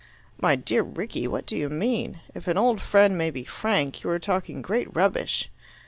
"My dear Rickie, what do you mean? If an old friend may be frank, you are talking great rubbish."